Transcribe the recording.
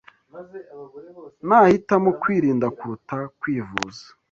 Nahitamo kwirinda kuruta kwivuza